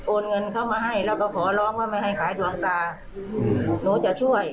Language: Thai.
เงินเขามาให้แล้วก็ขอร้องว่าไม่ให้ขายดวงตาหนูจะช่วย